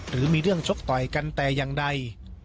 หรือมีเรื่องชกต่อยกันแต่อย่างใด